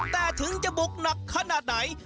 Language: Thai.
แต่ถึงจะบุกหนักขนาดไหน